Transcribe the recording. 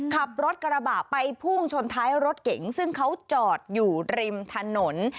ขับรถกระบะไปพุ่งชนท้ายรถเก๋งซึ่งเขาจอดอยู่ริมถนน